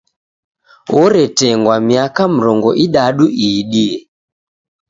Oretengwa miaka mrongo idadu iidie.